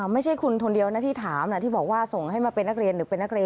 ไม่ใช่คุณคนเดียวนะที่ถามที่บอกว่าส่งให้มาเป็นนักเรียนหรือเป็นนักเรียน